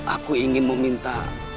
aku ingin meminta